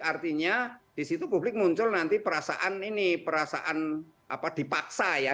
artinya disitu publik muncul nanti perasaan ini perasaan apa dipaksa ya